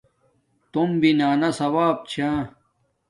توم بنانا صواپ چھا